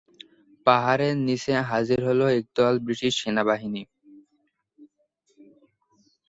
পাহাড়ের নিচে হাজির হলো একদল ব্রিটিশ সেনাবাহিনী।